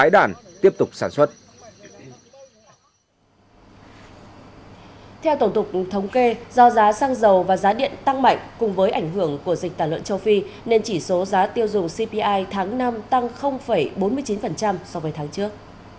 do giá xăng dầu và giá điện tăng mạnh cùng với ảnh hưởng của dịch tả lợn châu phi nên chỉ số giá tiêu dùng cpi tháng năm tăng bốn mươi chín so với tháng trước